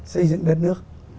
xây dựng đất nước